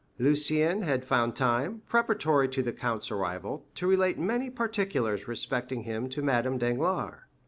Lucien had found time, preparatory to the count's arrival, to relate many particulars respecting him to Madame Danglars.